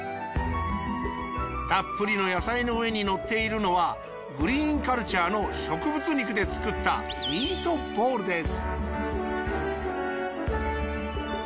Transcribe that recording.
たっぷりの野菜の上にのっているのはグリーンカルチャーの植物肉で作ったミートボールです